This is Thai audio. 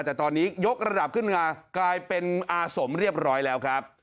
แต่ตอนนี้ยกระดับขึ้นมากลายเป็นอาสมเรียบร้อยแล้วครับ